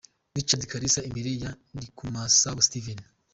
Rachid Kalisa imbere ya Ndikumasabo Steven.